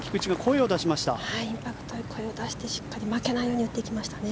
インパクト声を出してしっかり負けないように打っていきましたね。